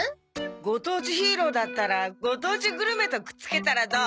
ご当地ヒーローだったらご当地グルメとくっつけたらどう？